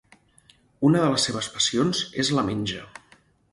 Una de les seves passions és la menja.